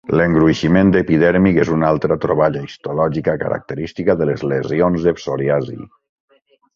L'engruiximent epidèrmic és una altra troballa histològica característica de les lesions de psoriasi.